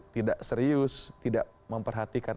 tidak serius tidak memperhatikan